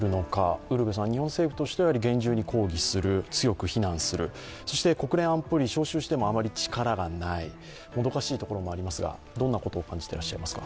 ウルヴェさん、日本政府としては厳重に抗議する、強く非難する、国連安保理を招集してもあまり力がない、もどかしいところもありますが、どんなことを感じていらっしゃいますか？